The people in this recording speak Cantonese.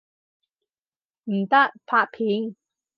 唔得，拍片！